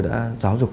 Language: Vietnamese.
đã giáo dục